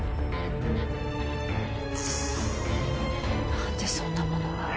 なんでそんなものが。